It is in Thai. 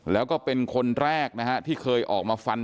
แล้วก็เป็นคนแรกนะฮะที่เคยออกมาฟัน